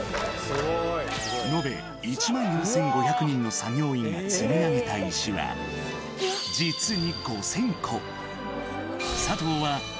延べ１万４５００人の作業員が積み上げた石は実に５０００個。